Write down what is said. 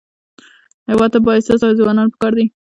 هېواد ته بااحساسه ځوانان پکار دي